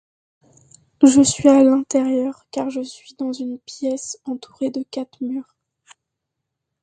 Je suis à l'intérieur, car je suis dans une pièce entourée de quatre murs.